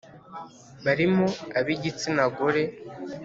Barimo ab igitsina gore